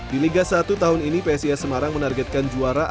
di liga satu tahun ini psis semarang menargetkan juara